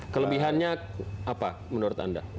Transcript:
kelebihannya apa menurut anda